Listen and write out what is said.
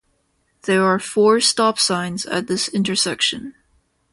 There are four stop signs at this intersection.